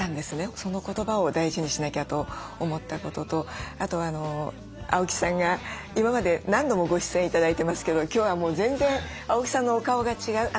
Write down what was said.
その言葉を大事にしなきゃと思ったこととあと青木さんが今まで何度もご出演頂いてますけど今日は全然青木さんのお顔が違う。